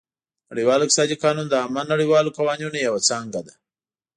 نړیوال اقتصادي قانون د عامه نړیوالو قوانینو یوه څانګه ده